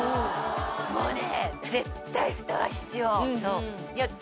もうね。